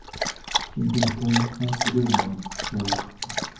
晋定公三十六年卒。